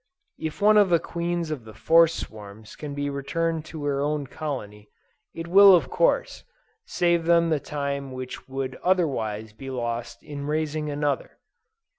If one of the queens of the forced swarms can be returned to her own colony, it will of course, save them the time which would otherwise be lost in raising another.